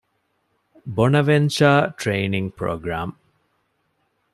ބޮނަވެންޗަރ ޓްރެއިނިންގ ޕްރޮގްރާމް